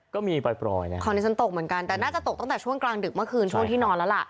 ก็มีปล่อยนะของที่ฉันตกเหมือนกันแต่น่าจะตกตั้งแต่ช่วงกลางดึกเมื่อคืนช่วงที่นอนแล้วล่ะ